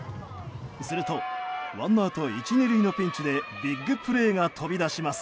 するとワンアウト１、２塁のピンチでビッグプレーが飛び出します。